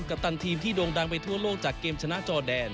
ปตันทีมที่โด่งดังไปทั่วโลกจากเกมชนะจอแดน